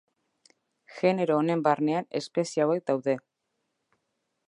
Genero honen barnean espezie hauek daude.